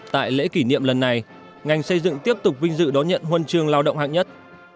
tại lễ kỷ niệm lần này ngành xây dựng tiếp tục vinh dự đón nhận huân trường lao động hạng nhất